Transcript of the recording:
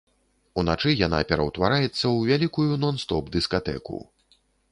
Уначы яна пераўтвараецца ў вялікую нон-стоп дыскатэку!